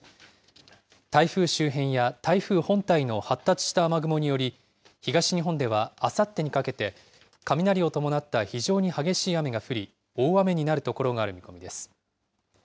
台風周辺や台風本体の発達した雨雲により、東日本ではあさってにかけて、雷を伴った非常に激しい雨が降り、大雨になる所がある見込みです。